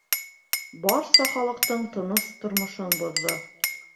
Барса халыҡтың тыныс тормошон боҙҙо.